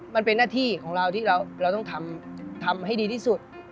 มันเป็นหน้าที่ของเราที่เราต้องทำให้ดีที่สุด